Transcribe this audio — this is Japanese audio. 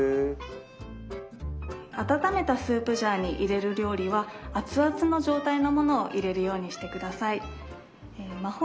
温めたスープジャーに入れる料理は熱々の状態のものを入れるようにして下さい。